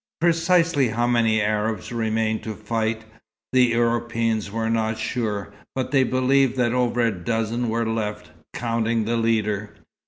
Precisely how many Arabs remained to fight, the Europeans were not sure, but they believed that over a dozen were left, counting the leader.